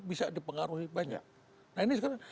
bisa dipengaruhi banyak